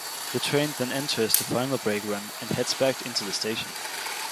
The train then enters the final brake run, and heads back into the station.